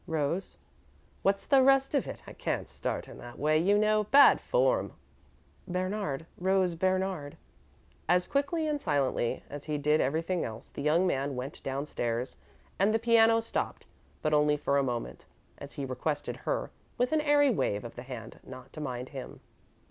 "Rose." "What's the rest of it? I can't start in that way, you know. Bad form." "Bernard Rose Bernard." As quickly and silently as he did everything else, the young man went down stairs, and the piano stopped, but only for a moment, as he requested her, with an airy wave of the hand, not to mind him.